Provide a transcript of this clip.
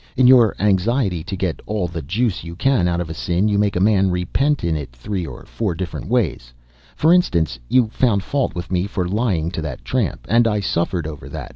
In your anxiety to get all the juice you can out of a sin, you make a man repent of it in three or four different ways. For instance, you found fault with me for lying to that tramp, and I suffered over that.